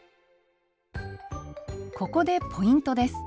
ここでポイントです。